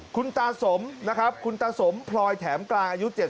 คุณตาสมนะครับคุณตาสมพลอยแถมกลางอายุ๗๐